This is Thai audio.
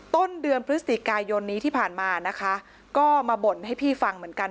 ต้นเดือนพฤศจิกายนนี้ที่ผ่านมานะคะก็มาบ่นให้พี่ฟังเหมือนกัน